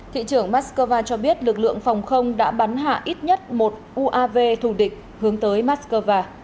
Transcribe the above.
thị trưởng mắc cơ va cho biết lực lượng phòng không đã bắn hạ ít nhất một uav thù địch hướng tới mắc cơ va